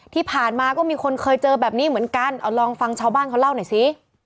ที่ผ่านมาก็มีคนเคยเจอแบบนี้เหมือนกันเอาลองฟังชาวบ้านเขาเล่าหน่อยสิ